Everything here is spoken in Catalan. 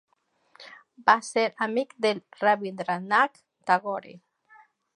Va ser amic de Rabindranath Tagore.